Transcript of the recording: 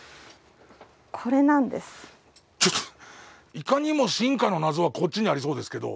ちょっといかにも進化の謎はこっちにありそうですけど。